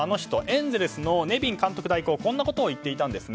エンゼルスのネビン監督代行はこんなことを言っていたんです。